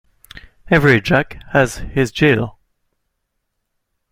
Every Jack has his Jill.